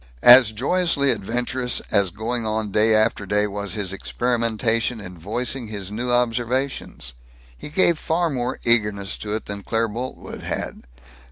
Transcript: As joyously adventurous as going on day after day was his experimentation in voicing his new observations. He gave far more eagerness to it than Claire Boltwood had.